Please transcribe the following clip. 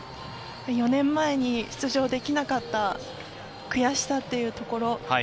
４年前に出場できなかった悔しさというところ。